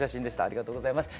ありがとうございます。